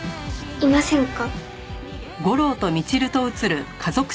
いませんか？